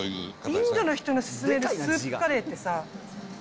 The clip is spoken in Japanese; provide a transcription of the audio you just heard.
インドの人が勧めるスープカレーってさ。